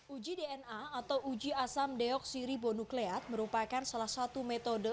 uji dna atau uji asam deoksiri bonukleat merupakan salah satu metode